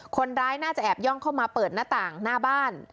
คนร้ายน่าจะแอบย่องเข้ามาเปิดหน้าต่างหน้าบ้าน